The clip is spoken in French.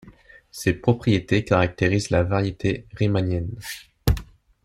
Ses propriétés caractérisent la variété riemannienne.